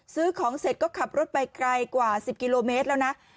ซื้อของเสร็จก็ขับรถไปไกลกว่า๑๐กิโลเมตรแล้วนะ